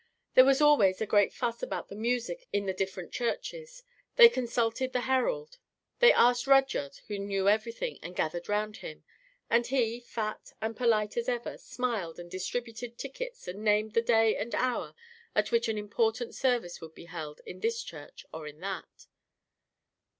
There was always a great fuss about the music in the different churches: they consulted the Herald; they asked Rudyard, who knew everything, and gathered round him; and he, fat and polite as ever, smiled and distributed tickets and named the day and hour at which an important service would be held in this church or in that.